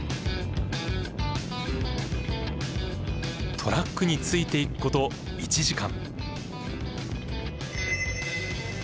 トラックについていくこと１時間。